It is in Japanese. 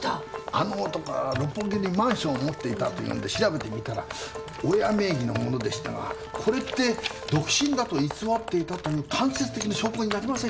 あの男は六本木にマンションを持っていたというんで調べてみたら親名義のものでしたがこれって独身だと偽っていたという間接的な証拠になりませんかね？